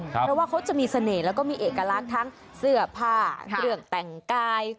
เพราะว่าเขาจะมีเสน่ห์แล้วก็มีเอกลักษณ์ทั้งเสื้อผ้าเครื่องแต่งกาย